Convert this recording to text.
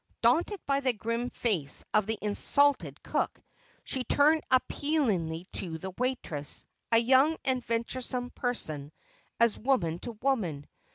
Daunted by the grim face of the insulted cook, she turned appealingly to the waitress, a young and venturesome person, as woman to woman.